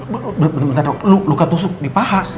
bentar dok luka tusuk di paha